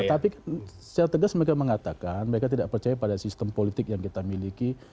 tetapi secara tegas mereka mengatakan mereka tidak percaya pada sistem politik yang kita miliki